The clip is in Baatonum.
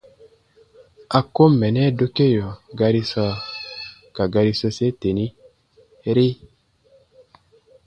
A kom mɛ dokeo gari sɔɔ ka gari sose teni: “-ri”.